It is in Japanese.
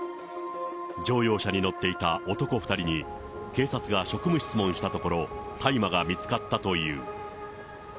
乗用車に乗っていた男２人に、警察が職務質問したところ、大麻が見つかったという。